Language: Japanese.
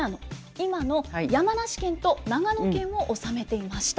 今の山梨県と長野県を治めていました。